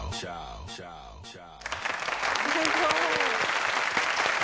すごーい。